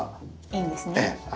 いいんですね。